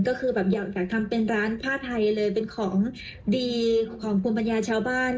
ก็คือแบบอยากทำเป็นร้านผ้าไทยเลยเป็นของดีของภูมิปัญญาชาวบ้าน